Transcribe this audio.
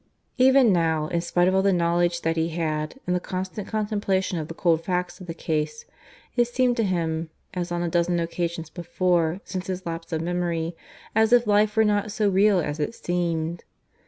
... Even now, in spite of all the knowledge that he had, and the constant contemplation of the cold facts of the case, it seemed to him, as on a dozen occasions before since his lapse of memory, as if life were not so real as it seemed.